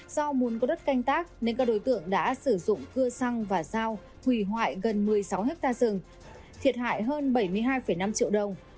do muốn có đất canh tác nên các đối tượng đã sử dụng cưa xăng và dao hủy hoại gần một mươi sáu hectare rừng thiệt hại hơn bảy mươi hai năm triệu đồng